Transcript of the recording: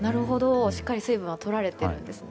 しっかり水分はとられているんですね。